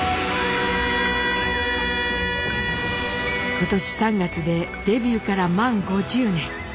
今年３月でデビューから満５０年。